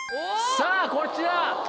さぁこちら。